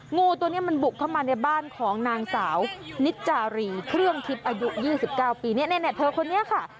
งูตัวนี้มันบุกเข้ามาในบ้านของนางสาวนิจารีเครื่องทิพย์อายุ๒๙ปีเนี่ยเธอคนนี้ค่ะ